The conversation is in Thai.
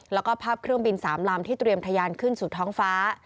แล้วก็ภาพเครื่องบิน๓ลำที่เตรียมทะยานขึ้นสู่ท้องฟ้า